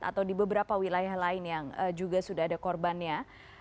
atau di beberapa wilayah lain yang juga sudah ada korbannya